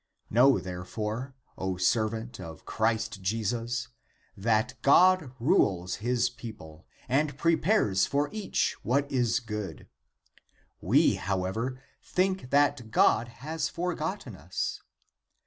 Know, therefore, O servant of Christ Jesus, that God (p. 140) rules (?) his people, and prepares for each what is good ; we, however, think that God has forgotten us.